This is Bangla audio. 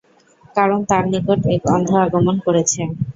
কারণ তাঁর নিকট এক অন্ধ আগমন করেছে।